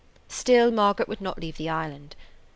Still Margaret would not leave the island.